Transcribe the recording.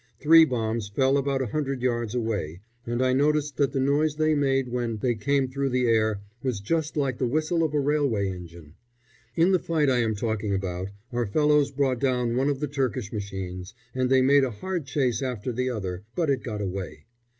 Three bombs fell about a hundred yards away, and I noticed that the noise they made when they came through the air was just like the whistle of a railway engine. In the fight I am talking about our fellows brought down one of the Turkish machines, and they made a hard chase after the other, but it got away.